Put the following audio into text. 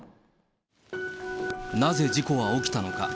なぜ、事故は起きたのか。